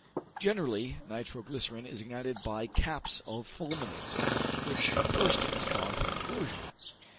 Generally, nitro glycerine is ignited by caps of fulminate, which in bursting cause the explosion.